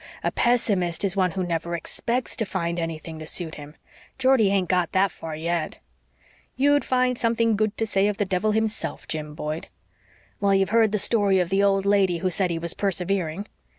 A pessimist is one who never expects to find anything to suit him. Geordie hain't got THAT far yet." "You'd find something good to say of the devil himself, Jim Boyd." "Well, you've heard the story of the old lady who said he was persevering.